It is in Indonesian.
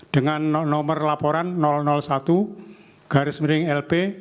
dengan nomor laporan satu garis miring lp